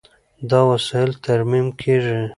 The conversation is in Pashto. دا وسایل ترمیم کېږي.